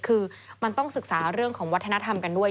คือมันต้องศึกษาเรื่องของวัฒนธรรมกันด้วย